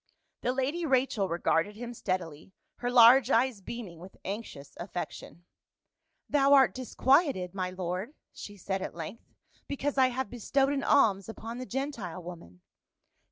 The lady Rachel regarded him steadily, her large eyes beaming with anxious affection. " Thou art dis quieted, my lord," she said at length, " because I have bestowed an alms upon the Gentile woman."